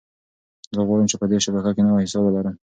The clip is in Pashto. زه غواړم چې په دې شبکه کې نوی حساب ولرم.